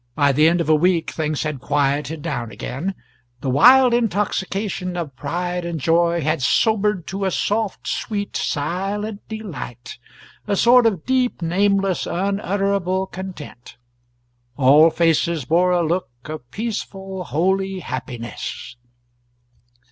By the end of a week things had quieted down again; the wild intoxication of pride and joy had sobered to a soft, sweet, silent delight a sort of deep, nameless, unutterable content. All faces bore a look of peaceful, holy happiness.